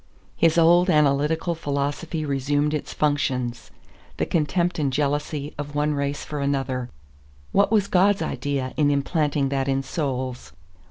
His old analytical philosophy resumed its functions. The contempt and jealousy of one race for another; what was God's idea in implanting that in souls?